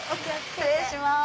失礼します。